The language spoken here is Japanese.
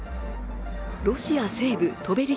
ロシア西部トベリ